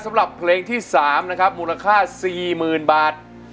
ปรับเพลงที่สามมูลค่า๔๐๐๐๐บาท